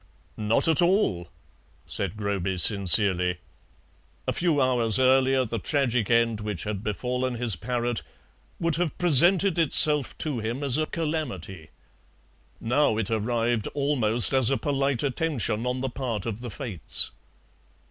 "Not at all," said Groby sincerely. A few hours earlier the tragic end which had befallen his parrot would have presented itself to him as a calamity; now it arrived almost as a polite attention on the part of the Fates.